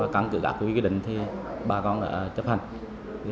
cảm cử các quy định thì bà con đã chấp hành